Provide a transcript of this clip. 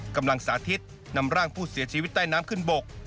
สาธิตนำร่างผู้เสียชีวิตใต้น้ำขึ้นบก